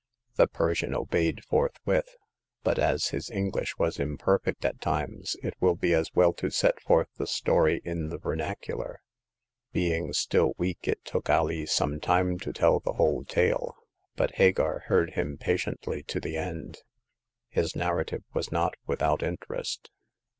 The Persian obeyed forthwith ; but, as his English was imperfect at times, it will be as well to set forth the story in the vernacular. Being still weak, it took Alee some time to tell the whole tale ; but Hagar heard him patiently to the end. His narrative was not without interest.